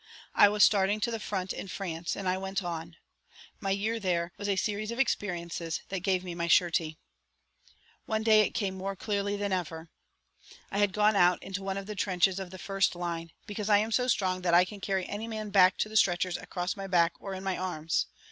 I was starting to the front in France, and I went on. My year there was a series of experiences that gave me my surety. One day it came more clearly than ever. I had gone out into one of the trenches of the first line, because I am so strong that I can carry any man back to the stretchers across my back or in my arms.